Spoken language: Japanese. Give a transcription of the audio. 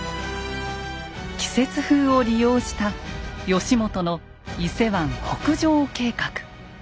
季節風を利用した義元の伊勢湾北上計画。